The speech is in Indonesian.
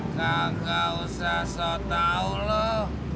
kagak usah so tau loh